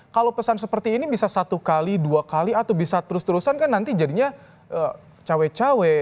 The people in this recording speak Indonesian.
kalau pesan seperti ini bisa satu kali dua kali atau bisa terus terusan kan nanti jadinya cawe cawe